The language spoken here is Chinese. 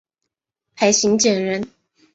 裴行俭人。